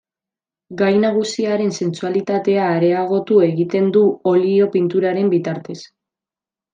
Gai nagusiaren sentsualitatea areagotu egiten du olio pinturaren bitartez.